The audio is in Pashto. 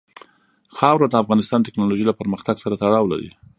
خاوره د افغانستان د تکنالوژۍ له پرمختګ سره تړاو لري.